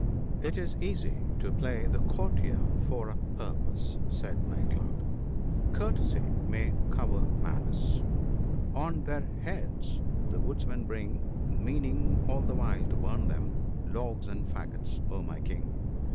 ' It is easy to play the courtier for a purpose,' said Night cloud, —•' Courtesy may cover malice ; on their heads the woodmen bring, Meaning all the while to burn them, logs and faggots— oh, my King!